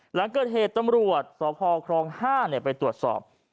หลังเกิดเหตุตำรวจสพครอง๕ไปตรวจสอบ